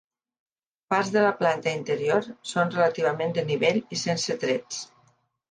Parts de la planta interior són relativament de nivell i sense trets.